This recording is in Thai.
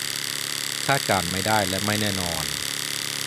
คาดการณ์ไม่ได้และไม่แน่นอน